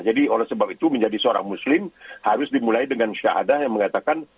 jadi oleh sebab itu menjadi seorang muslim harus dimulai dengan syahadah yang mengatakan